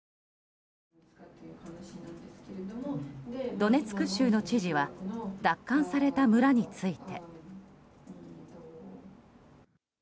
ドネツク州の知事は奪還された村について。